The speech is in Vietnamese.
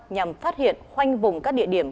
nhằm phát hiện khoanh vùng các địa điểm